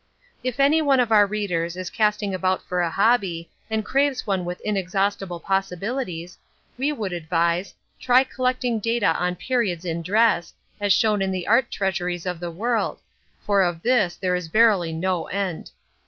If any one of our readers is casting about for a hobby and craves one with inexhaustible possibilities, we would advise: try collecting data on periods in dress, as shown in the art treasures of the world, for of this there is verily no end.